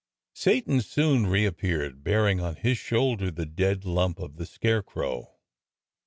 Satan soon reappeared bearing on his shoulder the dead lump of the scarecrow.